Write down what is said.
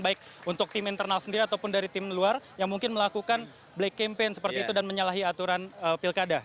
baik untuk tim internal sendiri ataupun dari tim luar yang mungkin melakukan black campaign seperti itu dan menyalahi aturan pilkada